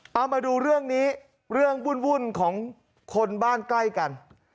เอามาดูเรื่องนี้เรื่องวุ่นของคนบ้านใกล้กัน